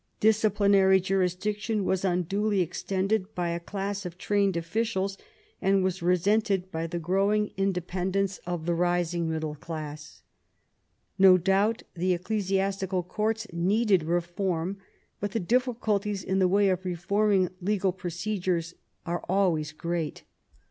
Dis ciplinary jurisdiction was unduly extended by a class of trained officials, and was resented by the growing inde VIII WOLSEY'S DOMESTIC POLICY 147 pendence of the rising middle class. No doubt the ecclesiastical courts needed reform, but the difficulties in the way of reforming legal procedure are always great.